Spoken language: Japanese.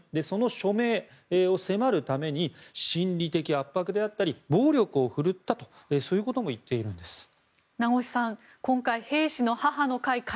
その署名を迫るために心理的圧迫であったり暴力を振るったとそういうことも言っているんです。